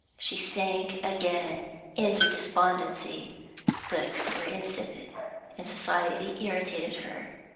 She sank again into despondency; books were insipid, and society irritated her.